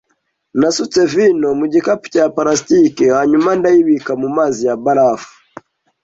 Nasutse vino mu gikapu cya plastiki hanyuma ndayibika mu mazi ya barafu.